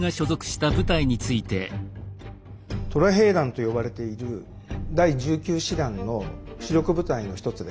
虎兵団と呼ばれている第１９師団の主力部隊の一つです。